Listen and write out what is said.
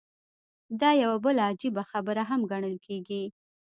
دا يوه بله عجيبه خبره هم ګڼل کېږي.